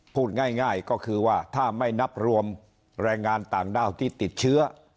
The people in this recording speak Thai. พูดง่ายก็คือว่าถ้าไม่นับรวมแรงงานต่างด้าวที่ติดเชื้อ